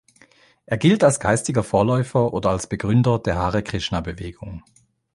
Er gilt als geistiger Vorläufer oder als Begründer der Hare Krishna-Bewegung.